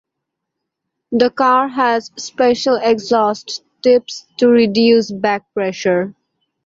The car has special exhaust tips to reduce back pressure.